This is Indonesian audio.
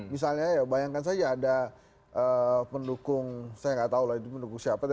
misalnya ya bayangkan saja ada pendukung saya nggak tahu lah itu pendukung siapa